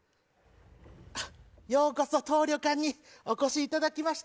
あっようこそ当旅館にお越しいただきまし。